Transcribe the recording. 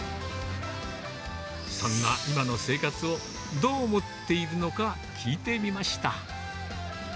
そんな今の生活を、どう思っているのか聞いてみました。